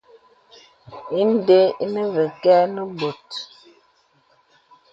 Inde enə və kə̀ nə bô.